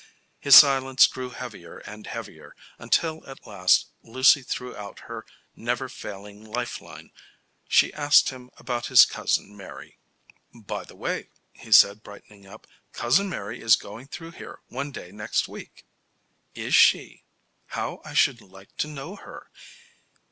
His silence grew heavier and heavier, until at last Lucy threw out her never failing life line. She asked him about his cousin Mary. "By the way," he said, brightening up, "Cousin Mary is going through here one day next week." "Is she? How I should like to know her.